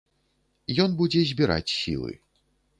Ён будзе збіраць сілы.